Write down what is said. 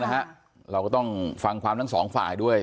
เราก็ต้องฟังความทั้งสองฝ่ายด้วย